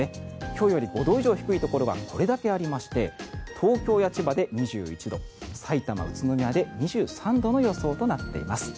今日より５度以上低いところがこれだけありまして東京や千葉で２１度埼玉、宇都宮で２３度の予想となっています。